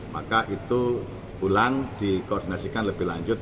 maka itu ulang dikoordinasikan lebih lanjut